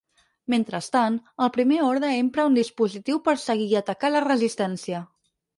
Mentrestant, el Primer Orde empra un dispositiu per seguir i atacar la Resistència.